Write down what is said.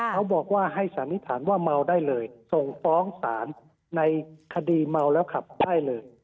เขาบอกว่าให้สันนิษฐานว่าเมาได้เลยส่งฟ้องศาลในคดีเมาแล้วขับได้เลย